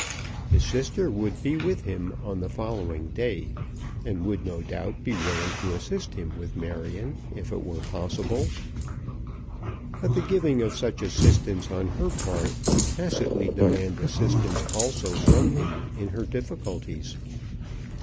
His sister would be with him on the following day, and would, no doubt, be willing to assist him with Marion if it were possible. But the giving of such assistance on her part would tacitly demand assistance also from him in her difficulties.